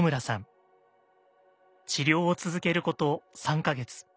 治療を続けること３か月。